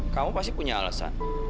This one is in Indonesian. kamu pasti punya alasan